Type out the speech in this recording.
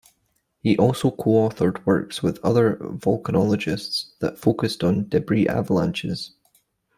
He also coauthored works with other volcanologists that focused on debris avalanches.